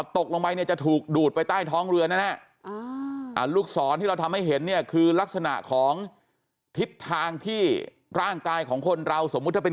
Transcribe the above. ตกลงไปเนี่ยจะถูกดูดไปใต้ท้องเรือแน่ลูกศรที่เราทำให้เห็นเนี่ยคือลักษณะของทิศทางที่ร่างกายของคนเราสมมุติถ้าเป็น